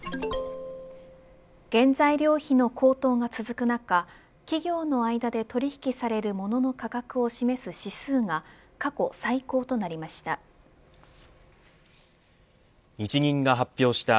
原材料費の高騰が続く中企業の間で取引されるものの価格を示す指数が過去最高となりました。